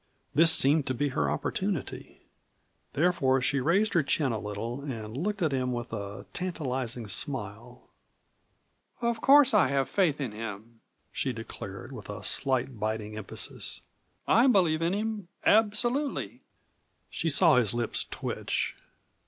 This seemed to be her opportunity. Therefore she raised her chin a little and looked at him with a tantalizing smile. "Of course I have faith in him," she declared, with a slight, biting emphasis. "I believe in him absolutely." She saw his lips twitch.